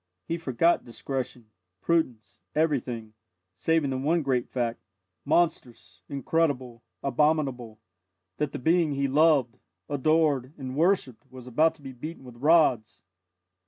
He forgot discretion, prudence, everything, saving the one great fact monstrous, incredible, abominable that the being he loved, adored, and worshipped was about to be beaten with rods!